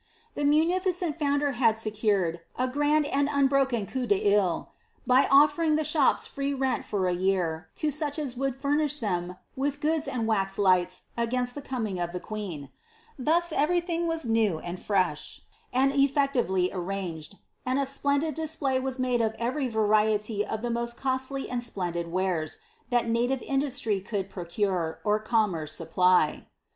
The munilicenl founder had secured a grand and unbroken coup d'sit. by offering the shops rent free for a year, to $uch as would furnish them with goods and wax lights against the coming of Ihe queen. Thoi everylhing was new and fresh, and effectively arranged ; and a splendid display was made of every variety of the most costly and splendid wares, that native industry could produce, or commerce supply.